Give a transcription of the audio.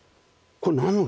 これ。